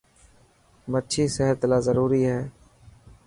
مڇي سحت لاءِ ضروري آهي.